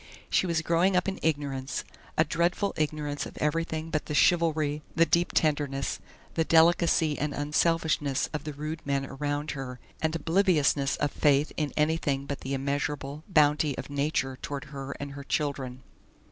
She was growing up in ignorance, a dreadful ignorance of everything but the chivalry, the deep tenderness, the delicacy and unselfishness of the rude men around her, and obliviousness of faith in anything but the immeasurable bounty of Nature toward her and her children.